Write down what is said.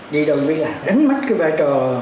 đi đồng viên là đánh mất vai trò